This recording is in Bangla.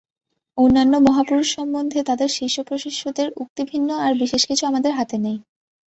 অন্যান্য মহাপুরুষ সম্বন্ধে তাঁদের শিষ্য-প্রশিষ্যদের উক্তি ভিন্ন আর বিশেষ কিছু আমাদের হাতে নেই।